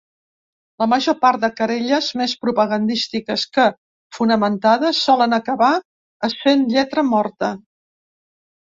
La major part de querelles, més propagandístiques que fonamentades, solen acabar essent lletra morta.